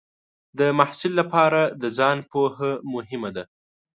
د محصل لپاره د ځان پوهه مهمه ده.